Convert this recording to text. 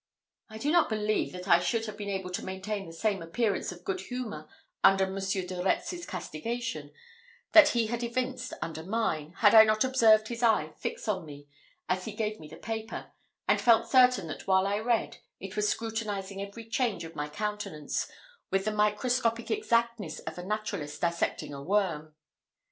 I do not believe that I should have been able to maintain the same appearance of good humour under Monsieur de Retz's castigation, that he had evinced under mine, had I not observed his eye fix on me as he gave me the paper, and felt certain that while I read, it was scrutinizing every change of my countenance, with the microscopic exactness of a naturalist dissecting a worm.